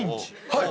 はい。